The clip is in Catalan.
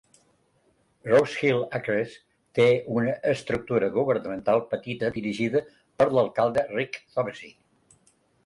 Rose Hill Acres té una estructura governamental petita dirigida per l"alcalde Rick Thomisee.